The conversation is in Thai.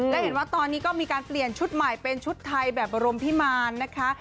และเห็นว่าตอนนี้ก็มีการเปลี่ยนชุดใหม่เป็นชุดไทยแบบบรมพิมารนะคะ